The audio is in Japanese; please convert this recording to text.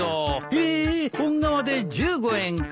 へえ本革で１５円か。